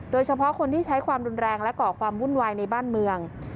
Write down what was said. โดยเฉพาะคนที่ใช้ความรุนแรงและก่อความวุ่นวายในบ้านเมือง